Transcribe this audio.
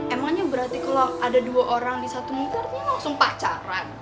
emangnya berarti kalau ada dua orang di satu muka artinya langsung pacaran